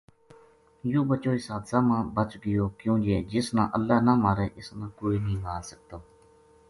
یوہ بچو اس حادثہ ما بَچ گیو کیوں جے جس نا اللہ نہ مارے اس نا کوئی نیہہ مار سکتو